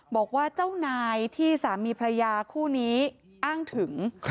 บอกว่าเจ้านายที่สามีพระยาคู่นี้อ้างถึง